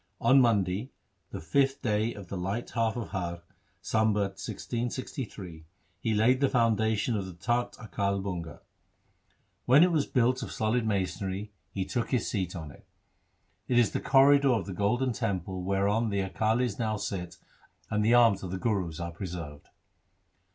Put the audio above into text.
On Monday, the fifth day of the light half of Har, Sambat 1663, he laid the founda tion of the Takht Akal Bunga. When it was built 1 Bhairo. B 2 4 THE SIKH RELIGION of solid masonry, he took his seat on it. It is the corridor of the golden temple whereon the Akalis now sit and the arms of the Gurus are preserved.